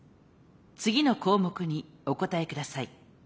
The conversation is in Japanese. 次の項目にお答えください。